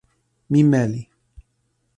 mi meli.